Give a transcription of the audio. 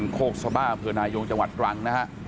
โคกสวบ้าเผือนายงจังหวัดกรัง